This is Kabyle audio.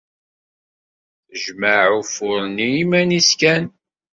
Tejmeɛ ufur-nni i yiman-nnes kan.